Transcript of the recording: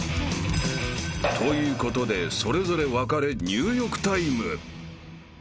［ということでそれぞれ分かれ入浴タイム］